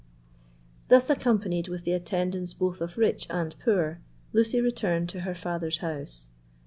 Thus accompanied with the attendance both of rich and poor, Lucy returned to her father's house.